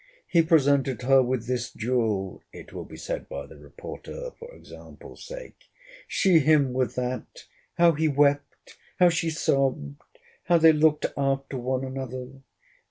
'He presented her with this jewel, it will be said by the reporter, for example sake: she him with that. How he wept! How she sobb'd! How they looked after one another!